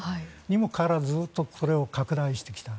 にもかかわらずそれを拡大してきた。